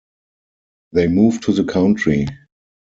They move to the country.